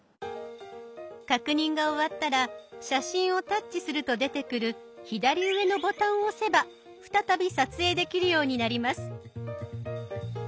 確認が終わったら写真をタッチすると出てくる左上のボタンを押せば再び撮影できるようになります。